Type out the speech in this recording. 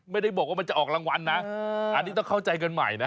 ไม่ได้บอกว่ามันจะออกรางวัลนะอันนี้ต้องเข้าใจกันใหม่นะ